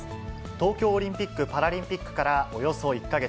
東京オリンピック・パラリンピックからおよそ１か月。